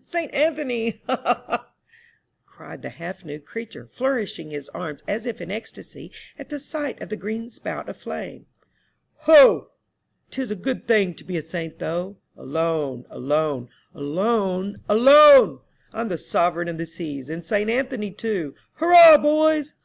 Saint Anthony, ha, ha, ha !" cried the half nude creature, flourishing his arms as if in ecstasy at the sight of the green spout of flame. Ho! 'tis a good thing to be a saint, though! Alone, alone — alone, alone ! I'm the Sovereign of the Seas, and Saint Anthony too. Hurrah, boys.